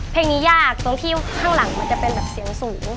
เพลงนี้ยากตรงที่ข้างหลังมันจะเป็นแบบเสียงสูง